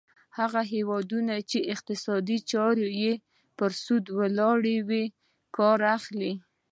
هغه هیوادونه چې اقتصادي چارې یې پر سود ولاړې وي کار اخلي.